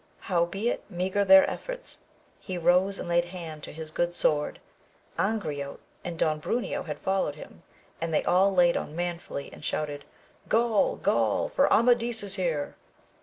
Howbeit maugre their efforts he rose and laid hand to' his good sword. Angriote and Don Bruneo had followed him, and they all laid on manfully and shouted Gaul, Gaul, for Amadis is here